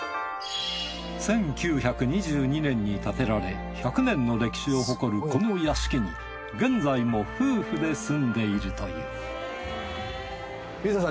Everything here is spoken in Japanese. １９２２年に建てられ１００年の歴史を誇るこの屋敷に現在も夫婦で住んでいるという水田さん